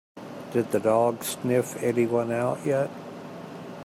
Did the dog sniff anyone out yet?